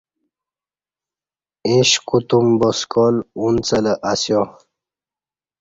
ایش کوتوم با سکال اونڅلہ اسیا